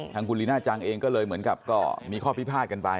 ทางคุณลีน่าจังเองก็เลยเหมือนกับก็มีข้อพิพาทกันไป